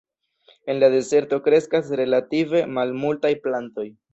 En la dezerto kreskas relative malmultaj plantoj.